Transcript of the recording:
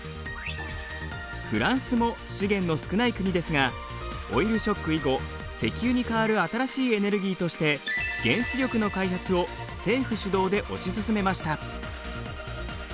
フランスも資源の少ない国ですがオイルショック以後石油に代わる新しいエネルギーとして原子力の開発を政府主導で推し進めました。